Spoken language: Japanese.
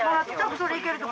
それいけると思う。